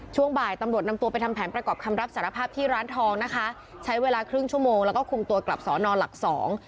ช่วงบ่ายตำรวจนำตัวไปทำแผนประกอบคำรับสารภาพที่ร้านทองนะคะใช้เวลาครึ่งชั่วโมงแล้วก็คุมตัวกลับสอนอนหลักสอง